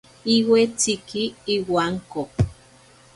Iwetsiki iwanko.